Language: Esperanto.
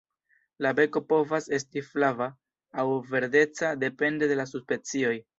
La beko povas esti flava aŭ verdeca depende de la subspecio.